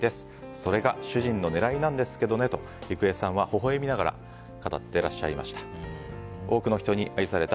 それが主人の狙いなんですけどねと郁恵さんはほほ笑みながら語ってらっしゃいました。